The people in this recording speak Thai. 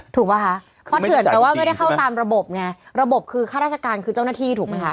ถูกป่ะคะเพราะเถื่อนแปลว่าไม่ได้เข้าตามระบบไงระบบคือข้าราชการคือเจ้าหน้าที่ถูกไหมคะ